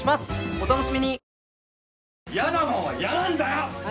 お楽しみに！